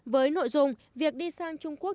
với nội dung việc đi sang trung quốc